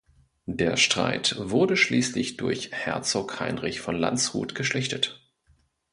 Der Streit wurde schließlich durch Herzog Heinrich von Landshut geschlichtet.